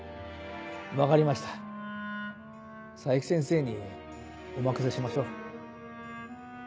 分かりました冴木先生にお任せしましょう。